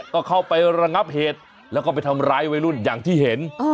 ก็เข้าไประงับเหตุแล้วก็ไปทำร้ายวัยรุ่นอย่างที่เห็น